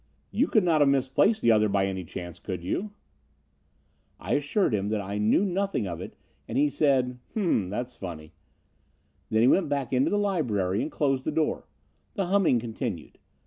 You could not have misplaced the other by any chance, could you?' "I assured him I knew nothing of it and he said, 'Hum m, that's funny.' Then he went back into the library and closed the door. The humming continued.